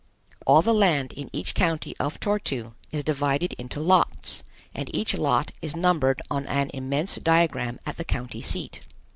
All the land in each county of Tor tu is divided into lots, and each lot is numbered on an immense diagram at the county seat.